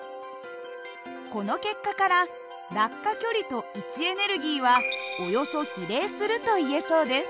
この結果から落下距離と位置エネルギーはおよそ比例するといえそうです。